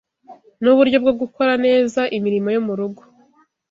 n’uburyo bwo gukora neza imirimo yo mu rugo.